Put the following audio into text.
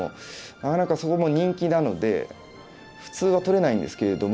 なかなかそこも人気なので普通は取れないんですけれども。